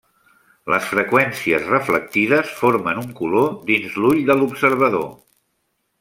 Les freqüències reflectides formen un color dins l'ull de l'observador.